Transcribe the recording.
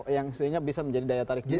yang sebetulnya bisa menjadi daya tarik pemilih